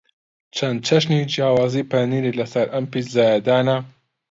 چەند چەشنی جیاوازی پەنیرت لەسەر ئەم پیتزایە دانا؟